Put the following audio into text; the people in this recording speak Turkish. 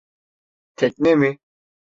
Tekne mi?